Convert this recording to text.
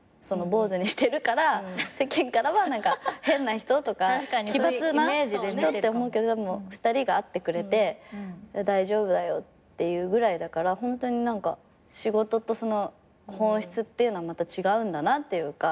坊主にしてるから世間からは何か「変な人」とか「奇抜な人」って思うけど２人が会ってくれて「大丈夫だよ」って言うぐらいだからホントに何か仕事とその本質っていうのはまた違うんだなっていうか。